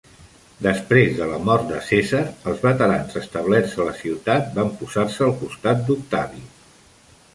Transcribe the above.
Després de la mort de César, els veterans establerts a la ciutat van posar-se al costat d'Octavi.